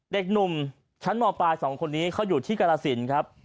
เด็กหนุ่มชั้นมปลาย๒คนนี้เขาอยู่ที่กรสินครับ